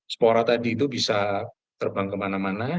spora tadi itu bisa terbang kemana mana